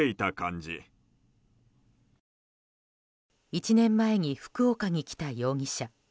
１年前に福岡に来た容疑者。